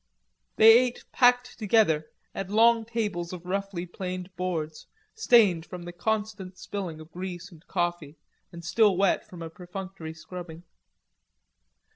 They ate packed together at long tables of roughly planed boards, stained from the constant spilling of grease and coffee and still wet from a perfunctory scrubbing.